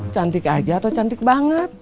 cantik aja atau cantik banget